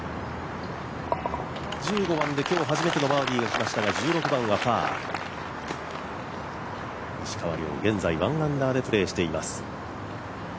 １５番で今日初めてのバーディーがきましたが１６番はパー、石川遼、現在１アンダーでプレーしています。